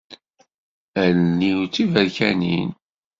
Allen-iw d tiberkanin.